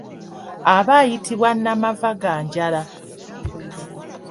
Aba ayitibwa nnamavaganjala.